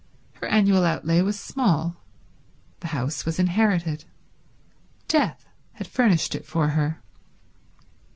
Her annual outlay was small. The house was inherited. Death had furnished it for her.